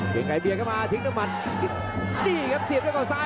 ทิ้งหน้ามันขวา